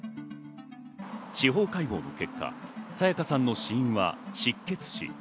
司法解剖の結果、彩加さんの死因は失血死。